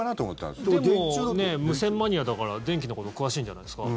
でも、無線マニアだから電気のこと詳しいんじゃないですか？